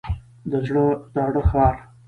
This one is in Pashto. د زاړه ښار.